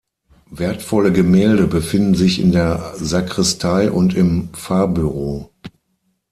Wertvolle Gemälde befinden sich in der Sakristei und im Pfarrbüro.